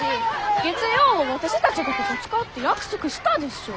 月曜はわたしたちがここ使うって約束したでしょ！